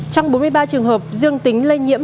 trong bốn mươi ba trường hợp dương tính lây nhiễm